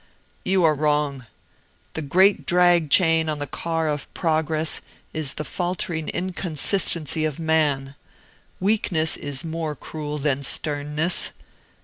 "You are wrong. The great drag chain on the car of progress is the faltering inconsistency of man. Weakness is more cruel than sternness.